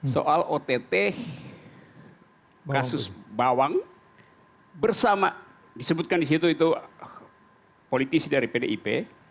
soal ott kasus bawang bersama disebutkan di situ itu politisi dari pdip